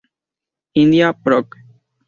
India; J. Proc.